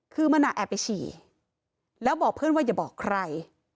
คือมันแอบไปฉี่แล้วบอกเพื่อนว่าอย่าบอกใคร